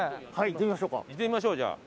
行ってみましょうじゃあ。